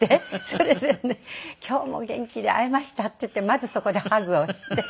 それでね「今日も元気で会えました」って言ってまずそこでハグをして。